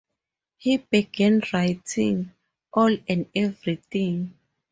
He began writing "All and Everything".